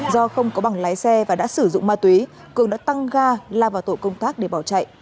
do không có bằng lái xe và đã sử dụng ma túy cường đã tăng ga la vào tổ công tác để bỏ chạy